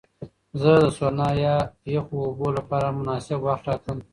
زه د سونا یا یخو اوبو لپاره مناسب وخت ټاکم.